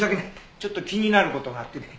ちょっと気になる事があってね。